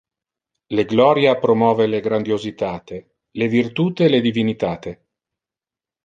Le gloria promove le grandiositate, le virtute le divinitate.